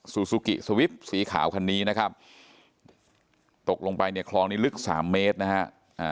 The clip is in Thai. ซูซูกิสวิปสีขาวคันนี้นะครับตกลงไปเนี่ยคลองนี้ลึกสามเมตรนะฮะ